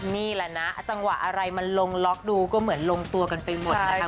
นี่แหละนะจังหวะอะไรมันลงล็อกดูก็เหมือนลงตัวกันไปหมดนะคะ